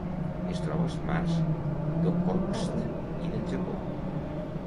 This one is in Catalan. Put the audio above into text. Es troba als mars d'Okhotsk i del Japó.